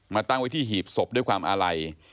ตั้งไว้ที่หีบศพด้วยความอาลัย